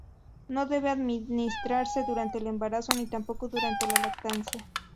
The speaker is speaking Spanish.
No debe administrarse durante el embarazo ni tampoco durante la lactancia.